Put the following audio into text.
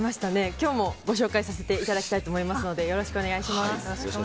今日もご紹介させていただきますのでよろしくお願いします。